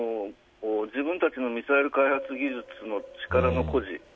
自分たちのミサイル開発技術の力の誇示